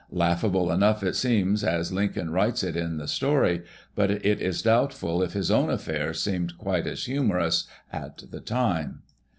Laugh able enough it seems as Lincoln writes it in the story, but it is doubtful if his own at!air seemed quite as humorous at the time.